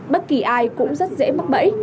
bất kỳ ai cũng rất dễ mắc bẫy